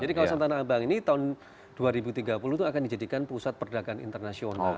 jadi kawasan tanah abang ini tahun dua ribu tiga puluh itu akan dijadikan pusat perdagangan internasional